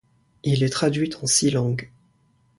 Il est traduit en six langues.